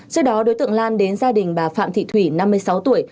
trước đó đối tượng lan đến gia đình bà phạm thị thủy năm mươi sáu tuổi